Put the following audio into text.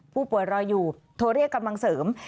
ผู้ป่วยรออยู่โทรเรียกำลังเสริม